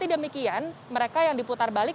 demikian mereka yang diputar balik